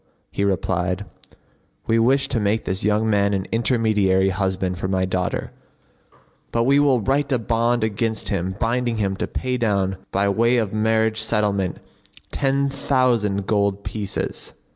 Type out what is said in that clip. He replied, "We wish to make this young man an intermediary husband for my daughter; but we will write a bond against him binding him to pay down by way of marriage settlement ten thousand gold pieces.